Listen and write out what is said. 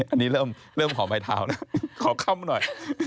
อันนี้เริ่มขอไม้เท้าแล้วขอค่ำหน่อย